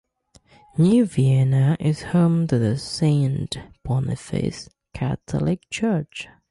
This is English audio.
New Vienna is home to the Saint Boniface Catholic Church.